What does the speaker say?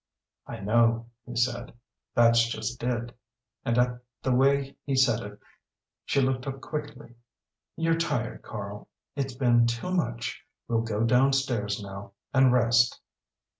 "I know," he said "that's just it," and at the way he said it she looked up quickly. "You're tired, Karl. It's been too much. We'll go down stairs now, and rest."